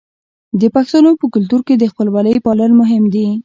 د پښتنو په کلتور کې د خپلوۍ پالل مهم دي.